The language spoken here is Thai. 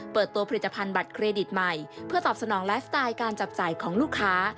เปิดตัวผลิตภัณฑ์บัตรเครดิตใหม่เพื่อตอบสนองไลฟ์สไตล์การจับจ่ายของลูกค้า